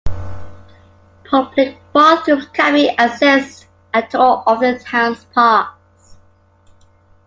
Public bathrooms can be accessed at all of the town's parks.